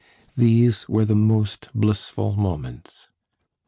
These were the most blissful moments.